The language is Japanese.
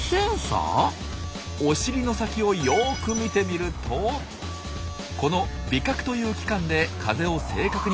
お尻の先をよく見てみるとこの「尾角」という器官で風を正確に感じ取れるんです。